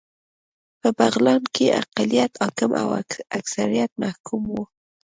په بغلان کې اقلیت حاکم او اکثریت محکوم و